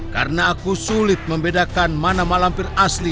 karena aku sulit membedakan mana mak lampir asli